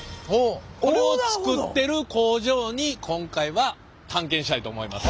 これを作ってる工場に今回は探検したいと思います。